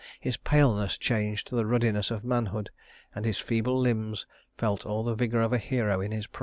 His paleness changed to the ruddiness of manhood; and his feeble limbs felt all the vigor of a hero in his prime.